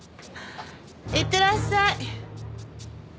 いってらっしゃい！